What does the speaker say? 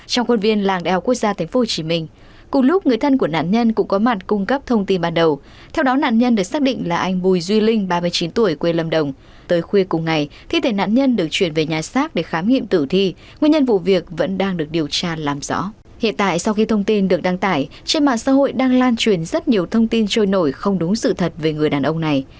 sau khi thông tin được đăng tải trên mạng xã hội đang lan truyền rất nhiều thông tin trôi nổi không đúng sự thật về người đàn ông này